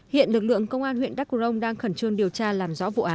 hiện lực lượng công an huyện đắc rông đang khẩn trương điều tra làm rõ vụ án